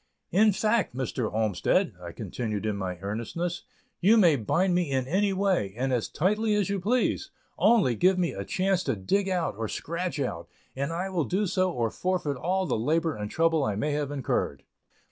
"In fact, Mr. Olmsted," I continued in my earnestness, "you may bind me in any way, and as tightly as you please only give me a chance to dig out, or scratch out, and I will do so or forfeit all the labor and trouble I may have incurred."